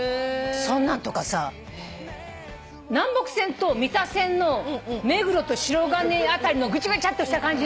そんなんとかさ南北線と三田線の目黒と白金辺りのぐちゃぐちゃっとした感じね。